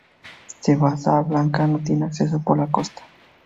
Sa Bassa Blanca no tiene acceso por la costa.